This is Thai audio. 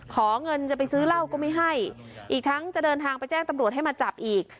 ขอเงินจะไปซื้อเหล้าก็ไม่ให้อีกทั้งจะเดินทางไปแจ้งตำรวจให้มาจับอีก